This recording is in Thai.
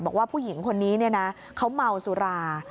บอกว่าผู้หญิงคนนี้เนี่ยนะเขาเมาสุรา